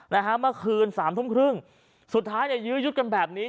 เมื่อคืน๓ทุ่มครึ่งสุดท้ายยื้อยุดกันแบบนี้